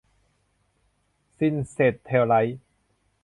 ชินแซทเทลไลท์